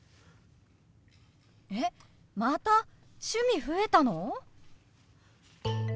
えっまた趣味増えたの！？